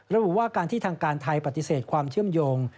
ระบุว่าการที่ทางการไทยปฏิเสธความเชื่อมโยง